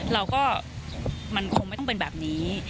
เราก็มันคงไม่ต้องเป็นแบบนี้